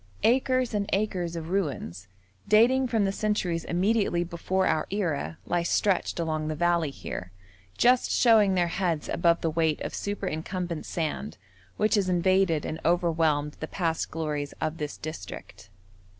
Acres and acres of ruins, dating from the centuries immediately before our era, lie stretched along the valley here, just showing their heads above the weight of superincumbent sand which has invaded and overwhelmed the past glories of this district.